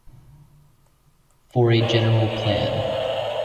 For a general plan.